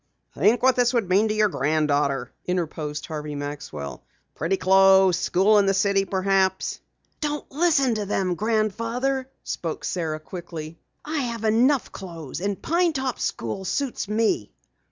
"Think what this would mean to your granddaughter," interposed Harvey Maxwell. "Pretty clothes, school in the city perhaps " "Don't listen to them, Grandfather," spoke Sara quickly. "I have enough clothes. And Pine Top school suits me."